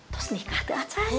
terus nikah tuh aja